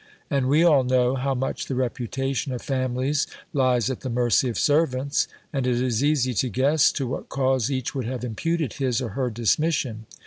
And we all know, how much the reputation of families lies at the mercy of servants; and it is easy to guess to what cause each would have imputed his or her dismission.